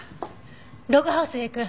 ログハウスへ行く。